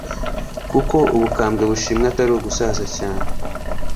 kuko ubukambwe bushimwa atari ugusaza cyane